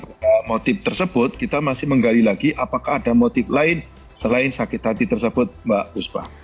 namun tidak hanya berhenti motif tersebut kita masih menggali lagi apakah ada motif lain selain sakit hati tersebut mbak guspa